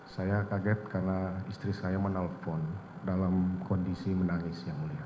saya kaget karena istri saya menelpon dalam kondisi menangis yang mulia